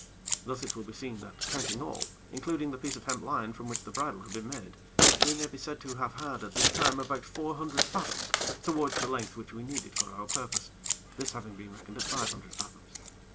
Thus it will be seen that counting all, including the piece of hemp line from which the bridle had been made, we may be said to have had at this time about four hundred fathoms towards the length which we needed for our purpose, this having been reckoned at five hundred fathoms.